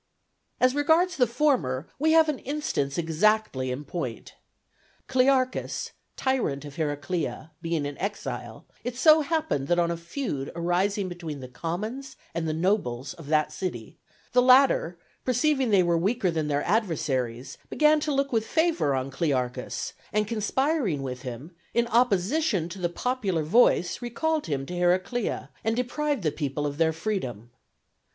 As regards the former, we have an instance exactly in point. Clearchus, tyrant of Heraclea, being in exile, it so happened that on a feud arising between the commons and the nobles of that city, the latter, perceiving they were weaker than their adversaries, began to look with favour on Clearchus, and conspiring with him, in opposition to the popular voice recalled him to Heraclea and deprived the people of their freedom.